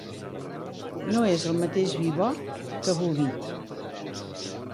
No és el mateix vi bo que boví.